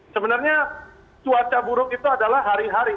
sebenarnya cuaca buruk itu adalah hari hari